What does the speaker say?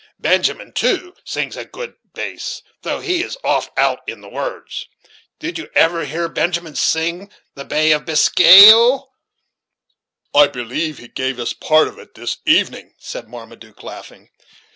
Benjamin, too, sings a good bass, though he is often out in the words. Did you ever hear Benjamin sing the 'Bay of Biscay,'?" "I believe he gave us part of it this evening," said Marmaduke, laughing.